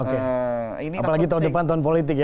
apalagi tahun depan tahun politik ya